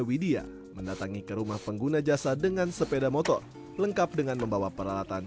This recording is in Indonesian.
widya mendatangi ke rumah pengguna jasa dengan sepeda motor lengkap dengan membawa peralatan